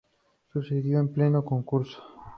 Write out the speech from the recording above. Sucedió en pleno concurso.